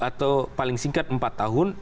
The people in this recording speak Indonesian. atau paling singkat empat tahun